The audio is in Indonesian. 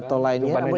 itu padahal dikubur